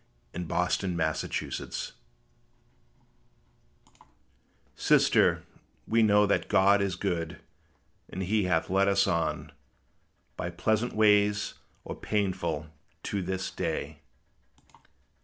T. B. ON HER MARRIAGE DAY Sister, we know That God is good, and He hath led us on By pleasant ways or painful to this day.